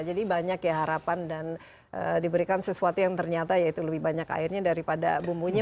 jadi banyak ya harapan dan diberikan sesuatu yang ternyata ya itu lebih banyak airnya daripada bumbunya